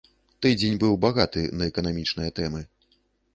Тыдзень быў багаты на эканамічныя тэмы.